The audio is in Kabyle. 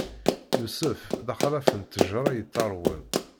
Yusef, d axalaf n ṭṭejṛa yettarwen.